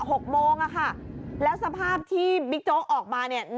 หกโมงอ่ะค่ะแล้วสภาพที่บิ๊กโจ๊กออกมาเนี่ย